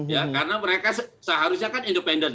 ya karena mereka seharusnya kan independen